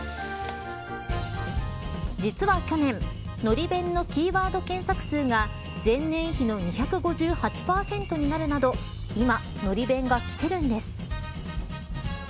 実は去年のり弁のキーワード検索数が前年比の２５８％になるなど今、海苔弁がきてるんです。